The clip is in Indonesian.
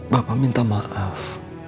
bapak minta maaf